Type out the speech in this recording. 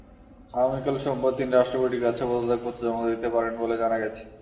আগামীকাল সোমবার তিনি রাষ্ট্রপতির কাছে পদত্যাগপত্র জমা দিতে পারেন বলে জানা গেছে।